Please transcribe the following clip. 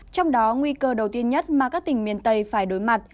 trong đó nguy cơ đầu tiên nhất mà các tỉnh miền tây phải đối mặt